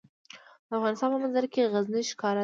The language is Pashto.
د افغانستان په منظره کې غزني ښکاره ده.